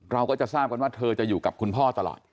เราก็จะทราบกันว่าเธอจะอยู่กับคุณพ่อตลอด